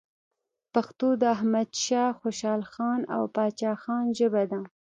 پښتو د احمد شاه خوشحالخان او پاچا خان ژبه ده.